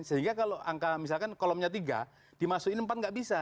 sehingga kalau misalkan kolomnya tiga dimasukin empat tidak bisa